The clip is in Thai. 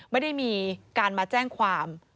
ไม่ได้มีการจ้างความ